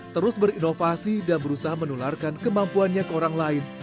terus berinovasi dan berusaha menularkan kemampuannya ke orang lain